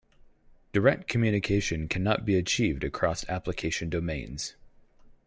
Direct communication cannot be achieved across application domains.